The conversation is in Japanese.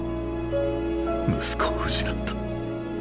息子を失った。